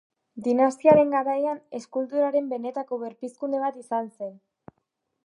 Dinastiaren garaian eskulturaren benetako berpizkunde bat izan zen.